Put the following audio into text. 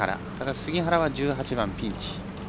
杉原は１８番、ピンチ。